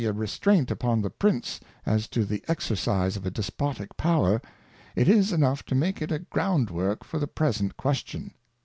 a, restraint upon tlxe Prince as to the Exercise of a Despotick Power ^\tjm enough to make it a Groundwork for the. present Question.